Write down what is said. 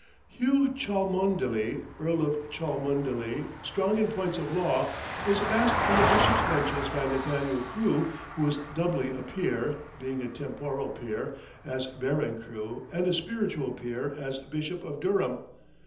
Hugh Cholmondeley, Earl of Cholmondeley, strong in points of law, was asked from the bishops' benches by Nathaniel Crew, who was doubly a peer, being a temporal peer, as Baron Crew, and a spiritual peer, as Bishop of Durham.